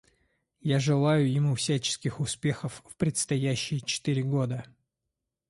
Я желаю ему всяческих успехов в предстоящие четыре года.